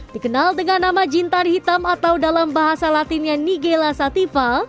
dikenal dengan nama jintan hitam atau dalam bahasa latinnya nigela sativa